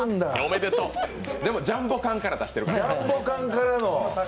でもジャンボ缶から出してるから。